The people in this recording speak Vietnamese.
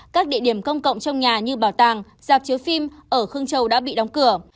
các địa điểm công cộng trong nhà như bảo tàng dạp chiếu phim ở khương châu đã bị đóng cửa